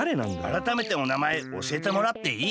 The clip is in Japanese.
あらためておなまえおしえてもらっていい？